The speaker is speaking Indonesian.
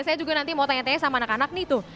saya juga nanti mau tanya tanya sama anak anak nih tuh